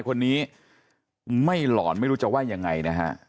คนนี้ไม่หลอนไม่รู้จะว่ายังไงนะฮะ